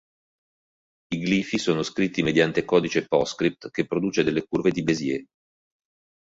I glifi sono descritti mediante codice Postscript che produce delle curve di Bézier.